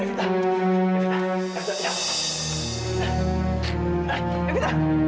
dia tiba tiba kejap kejap terus dia jatuh